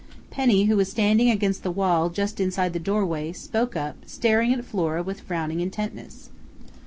Penny, who was standing against the wall, just inside the doorway, spoke up, staring at Flora with frowning intentness.